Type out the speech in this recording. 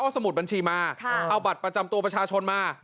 สมุดบัญชีมาเอาบัตรประจำตัวประชาชนมา